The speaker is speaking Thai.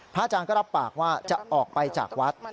อาจารย์ก็รับปากว่าจะออกไปจากวัด